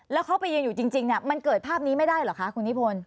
แล้วเขาไปยืนอยู่จริงมันเกิดภาพนี้ไม่ได้เหรอคะคุณนิพนธ์